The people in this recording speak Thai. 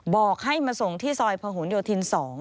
บอกให้มาส่งที่ซอยพหนโยธิน๒